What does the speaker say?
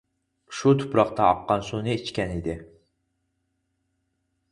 شۇ تۇپراقتا ئاققان سۇنى ئىچكەن ئىدى.